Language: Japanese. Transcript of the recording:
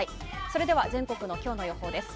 それでは全国の今日の予報です。